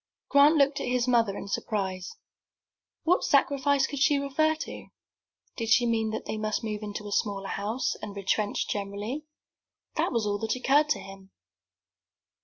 Grant looked at his mother in surprise. What sacrifice could she refer to? Did she mean that they must move into a smaller house, and retrench generally? That was all that occurred to him.